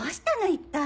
一体。